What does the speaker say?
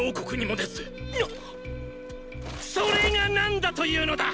それが何だというのだ！